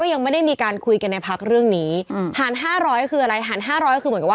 อ่าอ่าอ่าอ่าอ่าอ่าอ่าอ่า